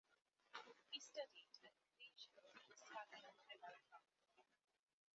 He studied at the Colegio Hispano Americano.